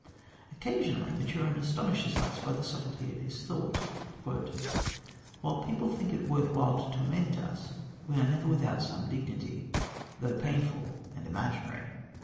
Occasionally Maturin astonishes us by the subtlety of his thought: "While people think it worth while to torment us we are never without some dignity, though painful and imaginary."